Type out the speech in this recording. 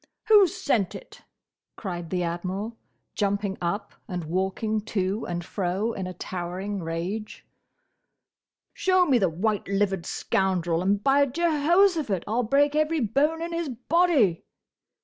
"Who sent it?" cried the Admiral, jumping up and walking to and fro in a towering rage. "Show me the white livered scoundrel, and by Jehoshaphat! I 'll break every bone in his body!"